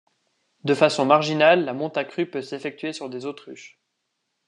De façon marginale, la monte à cru peut s'effectuer sur des autruches.